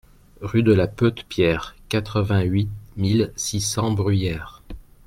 Rue de la Peute Pierre, quatre-vingt-huit mille six cents Bruyères